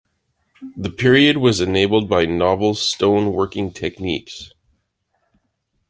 The period was enabled by novel stone working techniques.